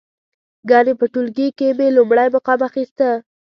ګنې په ټولګي کې مې لومړی مقام اخسته.